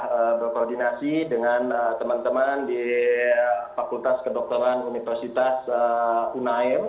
kita berkoordinasi dengan teman teman di fakultas kedokteran universitas unair